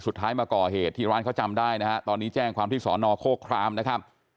สุดท้ายมาก่อเหตุที่ร้านเขาจำได้นะฮะตอนนี้แจ้งความที่สอนอโคครามนะครับ